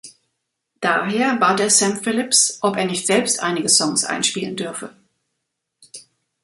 Daher bat er Sam Phillips, ob er nicht selbst einige Songs einspielen dürfe.